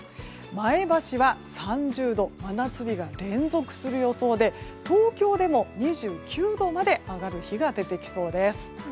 前橋は３０度真夏日が連続する予想で東京でも２９度まで上がる日が出てきそうです。